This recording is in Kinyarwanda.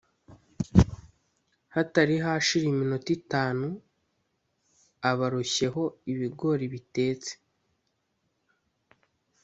hatari hashira iminota itanu aba aroshyeho ibigori bitetse.